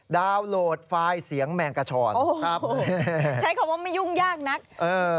ดาวน์โหลดไฟล์เสียงแมงกระชอนครับใช้คำว่าไม่ยุ่งยากนักเออ